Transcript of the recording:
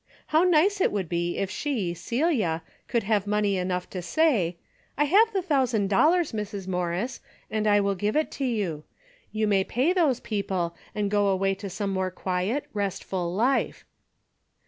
How nice it would be if she, Celia, could have money enough to say, " I have the thou sand dollars, Mrs. Morris, and I will give it to you. You may pay those people and go away to some more quiet, restful life.